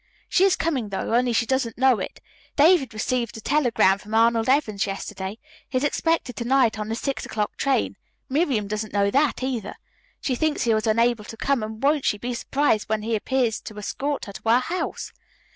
She is coming, though, only she doesn't know it. David received a telegram from Arnold Evans yesterday. He is expected to night on the six o'clock train. Miriam doesn't know that, either. She thinks he was unable to come, and won't she be surprised when he appears to escort her to our house?"